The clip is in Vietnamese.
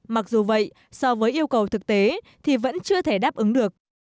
mặc dù vậy so với yêu cầu thực tế thì vẫn chưa thể đáp ứng được